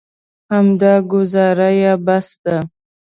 همدا ګوزاره یې بس ده.